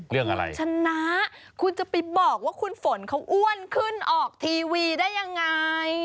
เรื่องอะไรชนะคุณจะไปบอกว่าคุณฝนเขาอ้วนขึ้นออกทีวีได้ยังไง